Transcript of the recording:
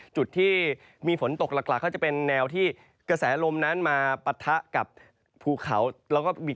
สมุทรปราการนวลทะบุรีเผชบุรี